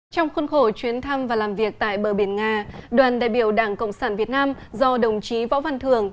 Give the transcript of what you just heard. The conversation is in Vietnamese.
trong khuôn khổ chuyến thăm và làm việc tại bờ biển nga đoàn đại biểu đảng cộng sản việt nam do đồng chí võ văn thường